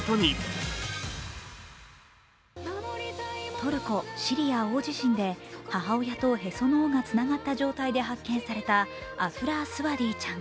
トルコ・シリア大地震で母親とへその緒がつながった状態で発見されたアフラー・スワディちゃん。